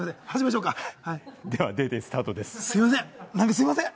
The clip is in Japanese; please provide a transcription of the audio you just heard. すみません。